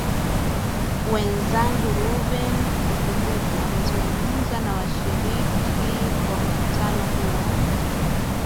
mwezangu reuben lukumbuka amezungumza na washiriki wa mkutano huo